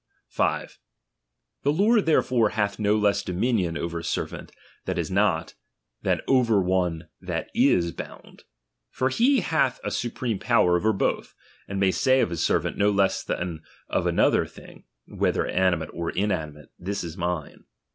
'' 5, The lord therefore hath no less dominion Sfiram. over a servant that is not, than over one that is in Ufir . bound ; for he hath a supreme power over both, "'^"'"' and may say of his servant no less than of another thing, whether animate or inanimate, this is mine.